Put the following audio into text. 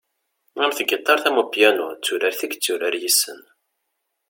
Am tgiṭart am upyanu, d turart i yetturar yes-sen.